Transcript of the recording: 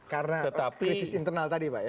karena krisis internal tadi pak ya